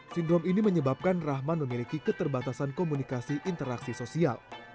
sindrom ini menyebabkan rahman memiliki keterbatasan komunikasi interaksi sosial